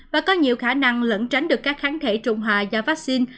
và có nhiều khả năng lẫn tránh được các kháng thể trụng hòa do vaccine